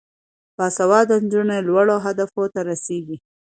باسواده نجونې لوړو اهدافو ته رسیږي.